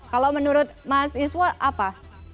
kalau menurut mas iswa apa